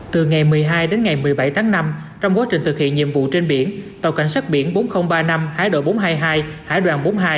từ ngày một mươi hai đến ngày một mươi bảy tháng năm trong quá trình thực hiện nhiệm vụ trên biển tàu cảnh sát biển bốn nghìn ba mươi năm hải đội bốn trăm hai mươi hai hải đoàn bốn mươi hai